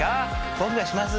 僕がします！